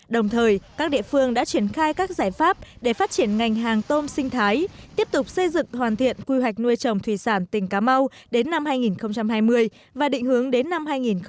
đồng thời các địa phương đã triển khai các giải pháp để phát triển ngành hàng tôm sinh thái tiếp tục xây dựng hoàn thiện quy hoạch nuôi trồng thủy sản tỉnh cà mau đến năm hai nghìn hai mươi và định hướng đến năm hai nghìn ba mươi